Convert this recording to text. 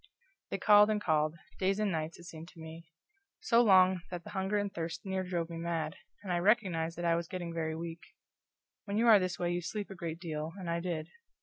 They called and called days and nights, it seemed to me. So long that the hunger and thirst near drove me mad, and I recognized that I was getting very weak. When you are this way you sleep a great deal, and I did.